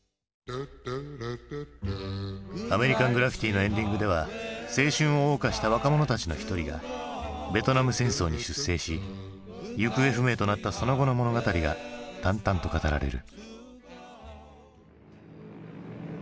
「アメリカン・グラフィティ」のエンディングでは青春をおう歌した若者たちの一人がベトナム戦争に出征し行方不明となったその後の物語が淡々と語られる。